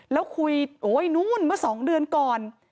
แล้วคุยโอ๊ยนู้นเมื่อ๒เดือนก่อน